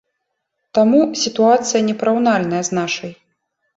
Таму сітуацыя непараўнальная з нашай.